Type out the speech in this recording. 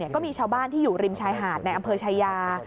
ก็มีชาวบ้านที่อยู่ริมชายหาดในอำเภอชายา